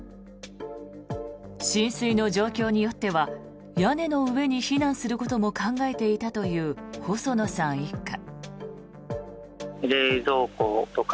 浸水の状況によっては屋根の上に避難することも考えていたという細野さん一家。